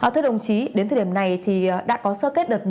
thưa đồng chí đến thời điểm này đã có sơ kết đợt một